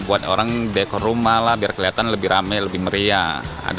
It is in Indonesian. buat orang dekor rumah lah biar kelihatan lebih rame lebih meriah